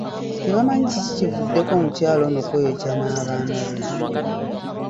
Tebamanyi kiki kivuddeko mukyala ono kweyokya n’abaana be.